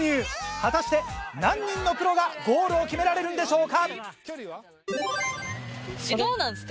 果たして何人のプロがゴールを決められるんでしょうか？